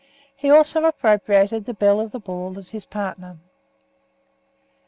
He also appropriated the belle of the ball as his partner.